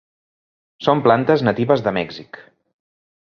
Són plantes natives de Mèxic.